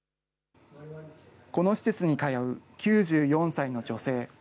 この施設に通う９４歳の女性。